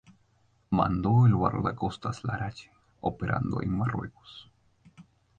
Mandó el guardacostas Larache, operando en Marruecos.